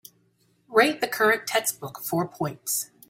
rate the current textbook four points